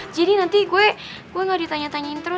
jadi nanti gue nggak ditanya tanyain terus